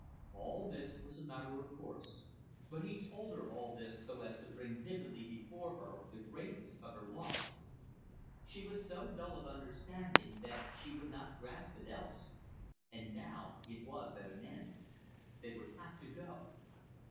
All this was a matter of course, but he told her all this so as to bring vividly before her the greatness of her loss. She was so dull of understanding that she would not grasp it else. And now it was at an end. They would have to go.